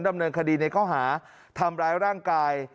ดำเนินคดีในข้อหาทำร้ายร่างกาย